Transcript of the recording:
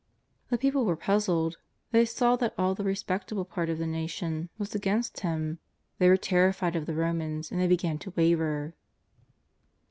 The people were puzzled ; they saw that all the respectable part of the nation was JESUS OF KAZARETH. 303 against Him; they were terrified of tlie Romans, and they began to waver.